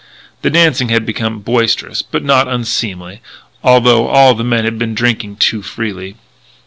The dancing had become boisterous but not unseemly, although all the men had been drinking too freely.